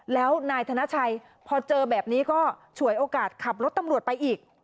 แล้วนายธนชัยพอเจอแบบนี้ก็ฉวยโอกาสขับรถตำรวจไปอีก